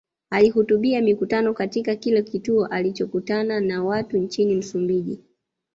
Alihutubia mikutano katika kila kituo alichokutana na watu nchini Msumbiji